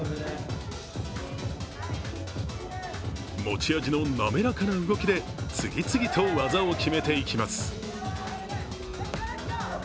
持ち味の滑かな動きで次々と技を決めていきます。